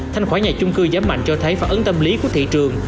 thanh khoản nhà chung cư giảm mạnh cho thấy phản ứng tâm lý của thị trường